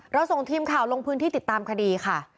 ส่งทีมข่าวลงพื้นที่ติดตามคดีค่ะ